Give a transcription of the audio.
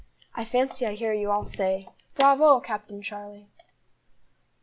I fancy I hear you all say: "Bravo, Captain Charlie!"